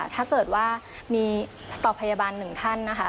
ถ้าเกิดว่ามีต่อพยาบาลหนึ่งท่านนะคะ